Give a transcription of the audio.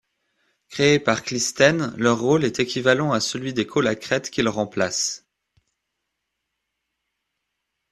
Créés par Clisthène, leur rôle est équivalent à celui des colacrètes qu'ils remplacent.